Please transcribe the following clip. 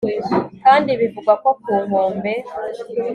kandi bivugwa ko ku nkombe